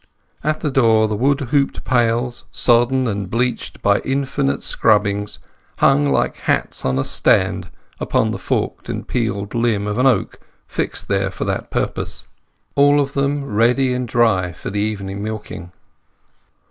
At the door the wood hooped pails, sodden and bleached by infinite scrubbings, hung like hats on a stand upon the forked and peeled limb of an oak fixed there for that purpose; all of them ready and dry for the evening milking.